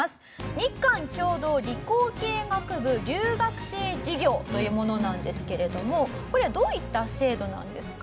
日韓共同理工系学部留学生事業というものなんですけれどもこれはどういった制度なんですか？